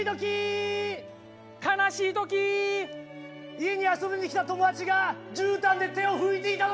家に遊びに来た友達がじゅうたんで手を拭いていた時。